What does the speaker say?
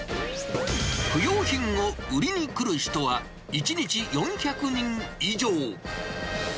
不用品を売りに来る人は、１日４００人以上。